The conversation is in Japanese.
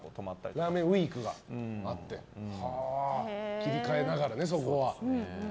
ラーメンウィークがあって切り替えながらね、そこは。